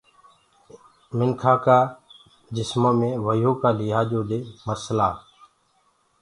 انسانآ ڪآ جسمو مينٚ وهيو ڪآ لِهآجو دي مسلآ۔